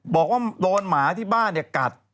บอกว่าโดนหมาที่บ้านกัด